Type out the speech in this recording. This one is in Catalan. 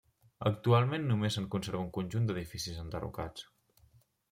Actualment només se'n conserva un conjunt d'edificis enderrocats.